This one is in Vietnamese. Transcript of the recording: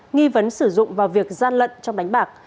nghi vấn sử dụng vào việc gian lận trong đánh bạc